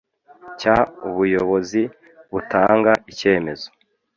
cy ubuyobozi butanga icyemezo